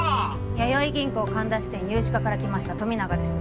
やよい銀行神田支店融資課から来ました富永です